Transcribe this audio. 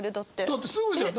だってすぐじゃん。